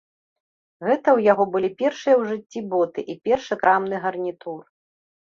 Гэта ў яго былі першыя ў жыцці боты і першы крамны гарнітур.